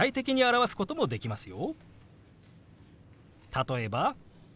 例えば。